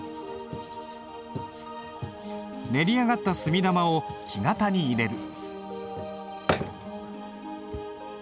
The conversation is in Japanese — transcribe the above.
練り上がった墨玉を木型に入れる。